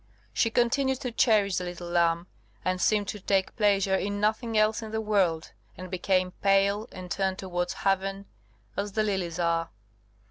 She continued to cherish the little lamb, and seemed to take pleasure in nothing else in the world, and became pale and turned towards heaven, as the lilies are.